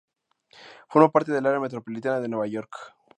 Forma parte del Área metropolitana de Nueva York.